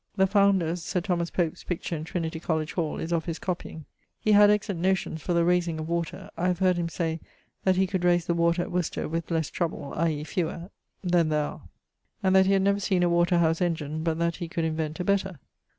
The founder's (Sir Thomas Pope's) picture in Trinity Colledge hall is of his copying. He had excellent notions for the raysing of water; I have heard him say, that he could rayse the water at Worcester with lesse trouble, i.e. fewer ..., then there are; and that he had never seen a water house engine, but that he could invent a better.